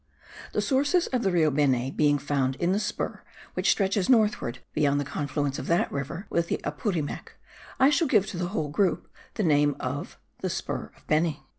The sources of the Rio Beni being found in the spur which stretches northward beyond the confluence of that river with the Apurimac, I shall give to the whole group the name of "the spur of Beni."